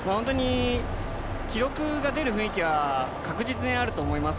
記録が出る雰囲気は確実にあると思います。